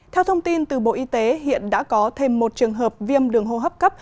theo thông tin từ bộ y tế hiện đã có thêm một trường hợp viêm đường hô hấp cấp